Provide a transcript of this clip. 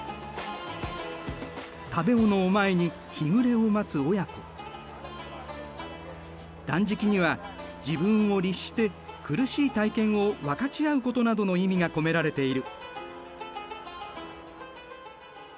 食べ物を前に断食には自分を律して苦しい体験を分かち合うことなどの意味が込められている。